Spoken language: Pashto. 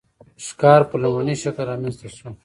ښکار په لومړني شکل رامنځته شو.